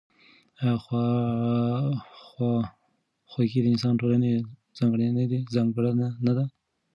آیا خواخوږي د انساني ټولنې ځانګړنه ده؟